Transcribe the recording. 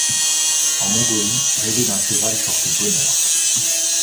En Mongolie, rêver d'un cheval porte bonheur.